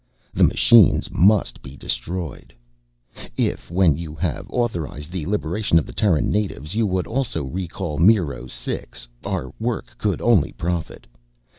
The Machines must be destroyed. If, when you have authorized the liberation of the Terran natives, you would also recall MIRO CIX, our work could only profit.